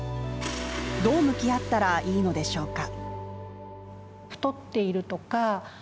どう向き合ったらいいのでしょうか。